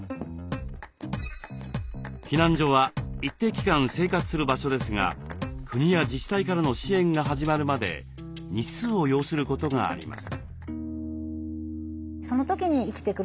避難所は一定期間生活する場所ですが国や自治体からの支援が始まるまで日数を要することがあります。